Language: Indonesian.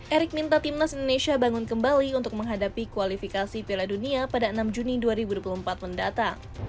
erik minta timnas indonesia bangun kembali untuk menghadapi kualifikasi piala dunia pada enam juni dua ribu dua puluh empat mendatang